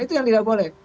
itu yang tidak boleh